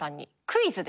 クイズ？